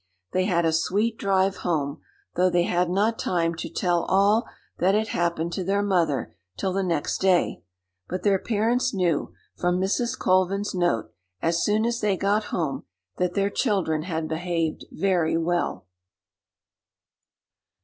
They had a sweet drive home, though they had not time to tell all that had happened to their mother till the next day; but their parents knew, from Mrs. Colvin's note, as soon as they got home, that their children had behaved very well.